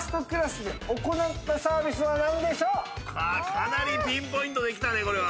かなりピンポイントできたねこれは。